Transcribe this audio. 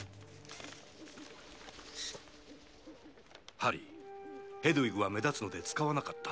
「ハリーヘドウィグは目立つので使わなかった」